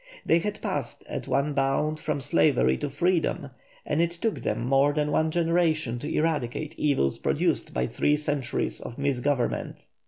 They had passed at one bound from slavery to freedom, and it took them more than one generation to eradicate evils produced by three centuries of misgovernment.